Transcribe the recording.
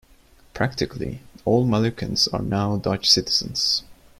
Practically all Moluccans are now Dutch citizens.